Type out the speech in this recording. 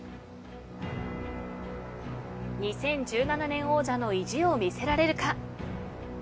２０１７年王者の意地を見せられるか。